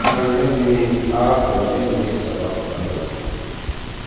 آ پنجم می سبق بنَدُو۔